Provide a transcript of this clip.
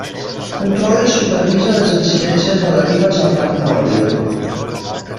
Controla i supervisa les incidències relatives al parc mòbil.